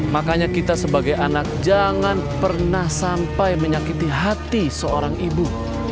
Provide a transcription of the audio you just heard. makanya kita sebagai anak jangan pernah sampai menyakiti hati seorang ibu